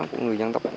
của người dân tộc